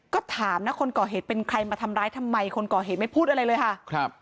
ก็ถามนะคนก่อเหตุเป็นใครมาทำร้ายทำไมคนก่อเหตุไม่พูดอะไรเลยค่ะครับ